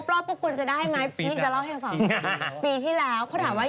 แมนเดินปีที่แล้ว